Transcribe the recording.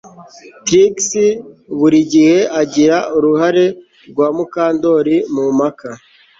Trix buri gihe agira uruhare rwa Mukandoli mu mpaka